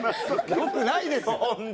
良くないですよ！